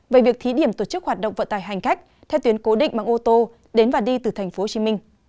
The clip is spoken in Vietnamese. về việc thí điểm tổ chức hoạt động vận tải hành khách theo tuyến cố định bằng ô tô đến và đi từ tp hcm